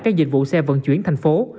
các dịch vụ xe vận chuyển thành phố